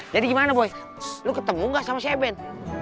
jadi gimana boi lo ketemu ga sama si eben